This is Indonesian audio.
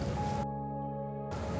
tuh untuk mana kita jalan